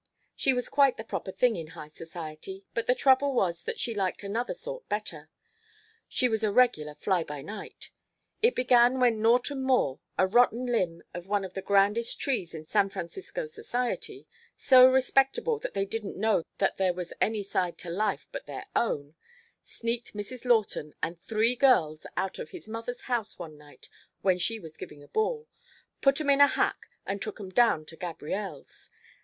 She was quite the proper thing in high society, but the trouble was that she liked another sort better. She was a regular fly by night. It began when Norton Moore, a rotten limb of one of the grandest trees in San Francisco Society so respectable they didn't know there was any side to life but their own sneaked Mrs. Lawton and three girls out of his mother's house one night when she was givin' a ball, put 'em in a hack and took 'em down to Gabrielle's.